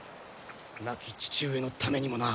亡き父上のためにもな！